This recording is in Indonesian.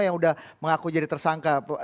yang udah mengaku jadi tersangka